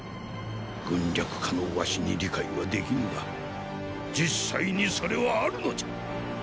軍略家の儂に理解はできぬが実際にそれはあるのじゃ。